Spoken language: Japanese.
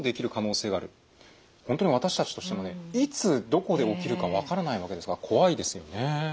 本当に私たちとしてもねいつどこで起きるか分からないわけですから怖いですよね。